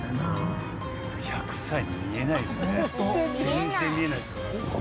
全然見えないですよね。